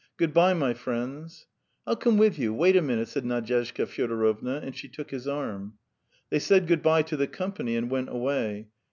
"Good bye, my friends." "I'll come with you; wait a minute," said Nadyezhda Fyodorovna, and she took his arm. They said good bye to the company and went away.